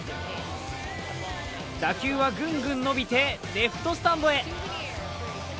打球はぐんぐん伸びてレフトスタンドへ。